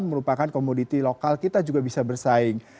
merupakan komoditi lokal kita juga bisa bersaing